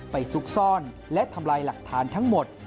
ซุกซ่อนและทำลายหลักฐานทั้งหมด